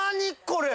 これ。